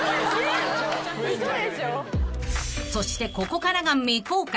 ［そしてここからが未公開］